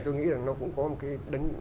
tôi nghĩ là nó cũng có một cái